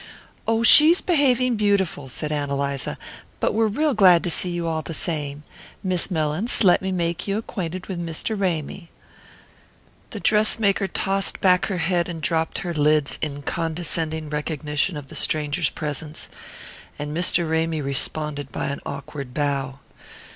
"Oh, she's behaving beautiful," said Ann Eliza; "but we're real glad to see you all the same. Miss Mellins, let me make you acquainted with Mr. Ramy." The dress maker tossed back her head and dropped her lids in condescending recognition of the stranger's presence; and Mr. Ramy responded by an awkward bow.